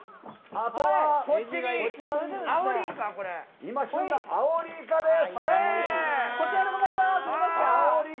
今旬のアオリイカです。